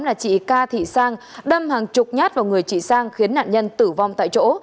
là chị ca thị sang đâm hàng chục nhát vào người chị sang khiến nạn nhân tử vong tại chỗ